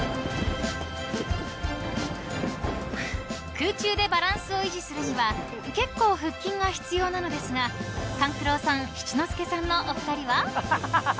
［空中でバランスを維持するには結構腹筋が必要なのですが勘九郎さん七之助さんのお二人は？］